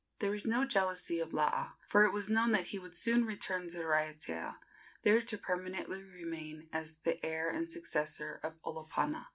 There was no jealousy of Laa, for it was known that he would soon return to Raiatea, there to permanently remain as the heir and successor of Olopana.